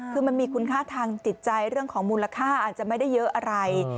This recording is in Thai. คือมันมีคุณค่าทางจิตใจเรื่องของมูลค่าอาจจะไม่ได้เยอะอะไร